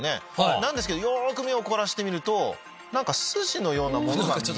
なんですけどよく目を凝らして見ると筋のようなものが。